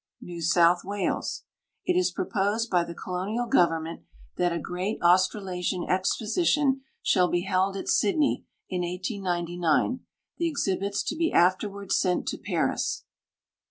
New South Wai.ks. It is pi'oposed by the colonial government that a great Australasian exposition shall be held at Sydney in 1899, the ex hibits to be afterward sent to Paris.